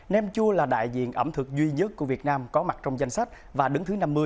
nem chua là đại diện ẩm thực duy nhất của việt nam có mặt trong danh sách và đứng thứ năm mươi